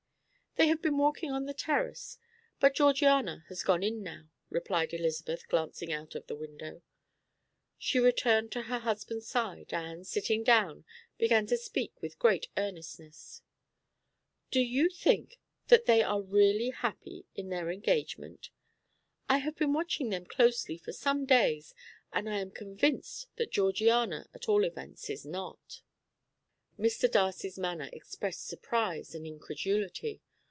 "They have been walking on the terrace, but Georgiana has gone in now," replied Elizabeth, glancing out of the window. She returned to her husband's side, and, sitting down, began to speak with great earnestness. "Do you think that they are really happy in their engagement? I have been watching them closely for some days, and I am convinced that Georgiana, at all events, is not." Mr. Darcy's manner expressed surprise and incredulity.